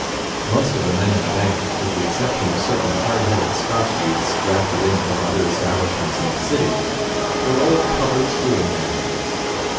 Most of the men in the bank, with the exception of certain hard headed Scotch youths drafted in from other establishments in the City, were old public school men.